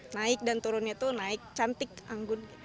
naik dan turunnya itu naik cantik anggun